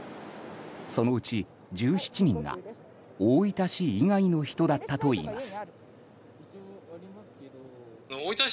そのうち１７人が大分市以外の人だったといいます。